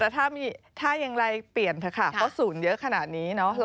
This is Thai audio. แต่ถ้ายังไงเปลี่ยนเพราะศูนย์เยอะขนาดนี้